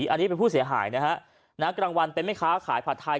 อันนี้เป็นภูมิตายในกลางวันเป็นเมฆ้าขายภาทไทย